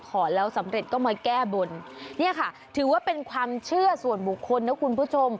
ขอแล้วสำเร็จก็มาแก้บนเนี่ยค่ะถือว่าเป็นความเชื่อส่วนบุคคลนะคุณผู้ชม